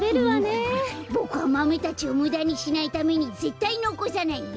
ボクはマメたちをむだにしないためにぜったいのこさないよ。